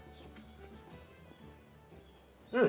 うん。